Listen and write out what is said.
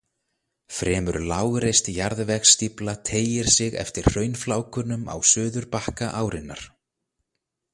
Fremur lágreist jarðvegsstífla teygir sig eftir hraunflákunum á suðurbakka árinnar.